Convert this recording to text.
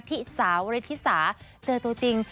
ที่สาวฤทธิสาเจอตัวจริง